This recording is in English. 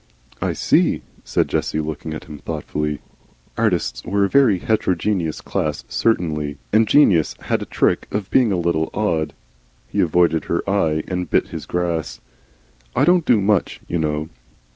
"I see," said Jessie, looking at him thoughtfully. Artists were a very heterogeneous class certainly, and geniuses had a trick of being a little odd. He avoided her eye and bit his grass. "I don't do MUCH, you know."